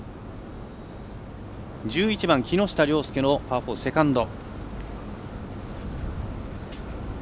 １１番、木下稜介のパー４セカンド。